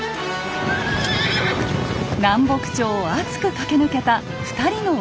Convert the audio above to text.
南北朝を熱く駆け抜けた２人の若君。